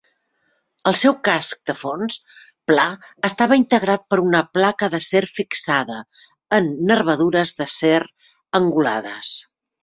El seu casc de fons pla estava integrat per una placa d'acer fixada en nervadures d'acer angulades.